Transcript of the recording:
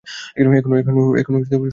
এখন সোনার দাঁত লাগাতে চাস?